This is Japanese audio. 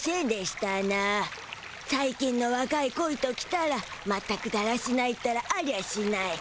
さい近のわかいコイときたらまったくだらしないったらありゃしない。